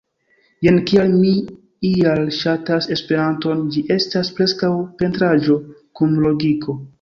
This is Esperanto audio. Jen kial mi ial ŝatas Esperanton ĝi estas preskaŭ pentraĵo kun logiko